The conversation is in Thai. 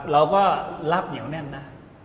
เราก็ลับอย่างแน่มนะ